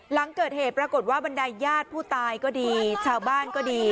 หลังเกิดเหตุปรากฏว่าบันไดญาติผู้ตายก็ดีชาวบ้านก็ดี